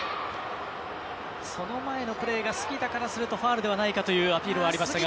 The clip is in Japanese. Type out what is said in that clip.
その前のプレーが杉田からするとファウルではないかというアピールはありましたが。